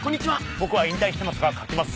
僕は引退してますが書きます。